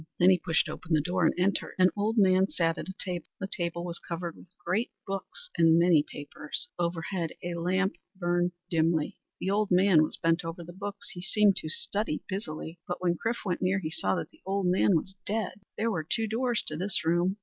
Then he pushed open the door and entered. An old man sat at a table. The table was covered with great books and many papers. Overhead a lamp burned dimly. The old man was bent over the books. He seemed to study busily, but when Chrif went near, he saw that the old man was dead. There were two doors to this room.